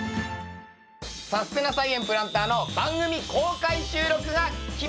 「さすてな菜園プランター」の番組公開収録が決まりました！